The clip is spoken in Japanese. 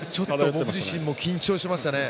僕自身も緊張しましたね。